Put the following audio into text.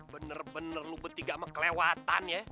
bener bener lo beti gak mekelewatan ya